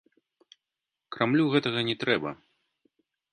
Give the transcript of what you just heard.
Крамлю гэтага не трэба.